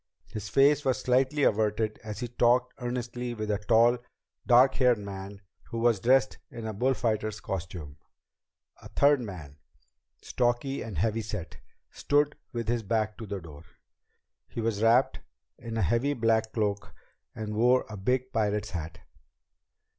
His face was slightly averted as he talked earnestly with a tall, dark haired man who was dressed in a bullfighter's costume. A third man, stocky and heavy set, stood with his back to the door. He was wrapped in a heavy black cloak and wore a big pirate's hat.